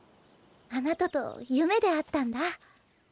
あなたと夢で会ったんだ。